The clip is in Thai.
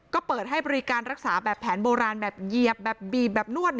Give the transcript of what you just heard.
ก็เปิดให้บริการรักษาแบบแผนโบราณแบบเหยียบแบบบีบแบบนวด